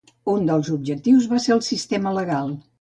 Un dels objectius va ser el sistema legal.